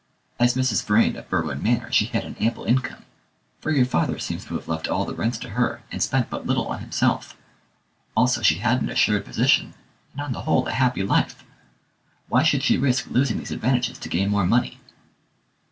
"As Mrs. Vrain of Berwin Manor she had an ample income, for your father seems to have left all the rents to her, and spent but little on himself; also she had an assured position, and, on the whole, a happy life. Why should she risk losing these advantages to gain more money?"